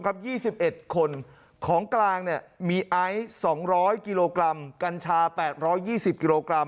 ๒๑คนของกลางมีไอซ์๒๐๐กิโลกรัมกัญชา๘๒๐กิโลกรัม